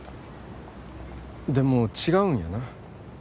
でも違うんやな。